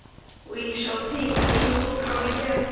" We shall see whether you will come again